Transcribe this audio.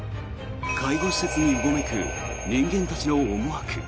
介護施設にうごめく人間たちの思惑。